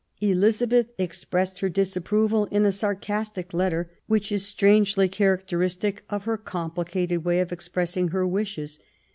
Elizabeth expressed her dis approval in a sarcastic letter, which is strangely characteristic of her complicated way of expressing her wishes.